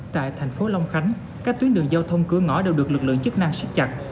tại thành phố long khánh các tuyến đường giao thông cửa ngõ đều được lực lượng chức năng xích chặt